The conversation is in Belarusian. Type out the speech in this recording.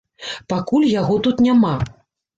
Пакуль яго тут няма.